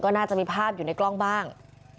น่าจะมีภาพอยู่ในกล้องบ้าง